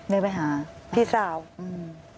ได้ไปหาพี่สาวอืม